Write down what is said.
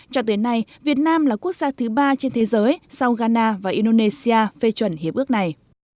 cho tới nay việt nam là quốc gia thứ ba trên thế giới sau ghana và indonesia phê chuẩn hiệp ước này